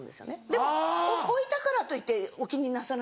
でも置いたからといってお気になさらないでください。